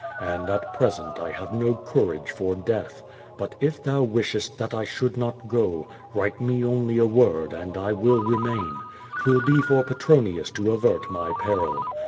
And, at present, I have no courage for death. But if thou wishest that I should not go, write me only a word and I will remain. 'Twill be for Petronius to avert my peril.